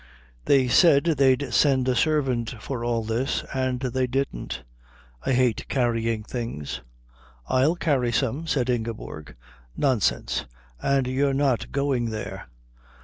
"They said they'd send a servant for all this, and they didn't. I hate carrying things." "I'll carry some," said Ingeborg. "Nonsense. And you're not going there."